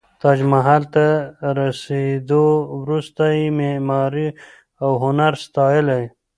تاج محل ته رسېدو وروسته یې معماري او هنر ستایلی.